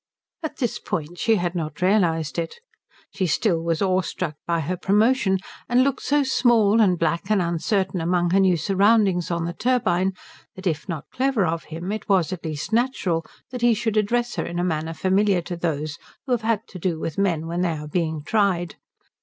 At this point she had not realized it. She still was awestruck by her promotion, and looked so small and black and uncertain among her new surroundings on the turbine that if not clever of him it was at least natural that he should address her in a manner familiar to those who have had to do with men when they are being tried.